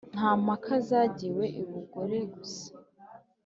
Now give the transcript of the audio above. Nta mpaka zagiwe i Bugore-gusa*